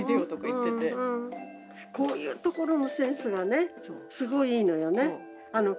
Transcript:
こういうところのセンスがねすごいいいのよね。